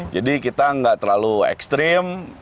jadi kita nggak terlalu ekstrim